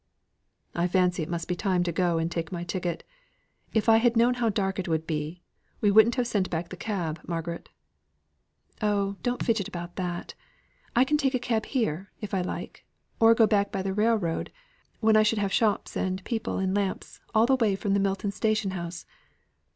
"I fancy it must be time to go and take my ticket. If I had known how dark it would be, we wouldn't have sent back the cab, Margaret." "Oh, don't fidget about that. I can take a cab here, if I like; or go back by the rail road, when I should have shops and people and lamps all the way from the Milton station house.